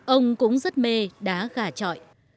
ông cũng rất mê đá gà trọi